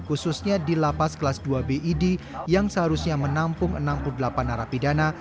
khususnya di lapas kelas dua bid yang seharusnya menampung enam puluh delapan narapidana